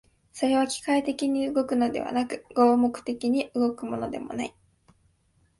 それは機械的に働くのではなく、合目的的に働くのでもない。